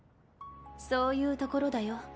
そういうところだよ。